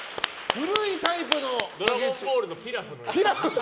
古いタイプの。